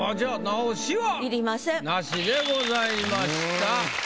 なしでございました。